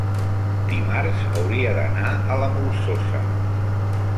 dimarts hauria d'anar a la Molsosa.